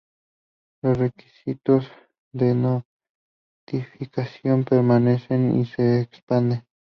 Los requisitos de notificación permanecen y se expanden.